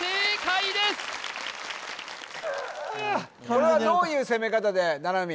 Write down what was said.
これはどういう攻め方で七海？